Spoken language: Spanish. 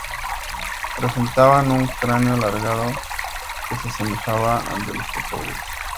Presentaban un cráneo alargado que se asemejaba al de los cocodrilos.